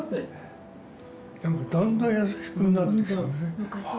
でもだんだん優しくなってきたね。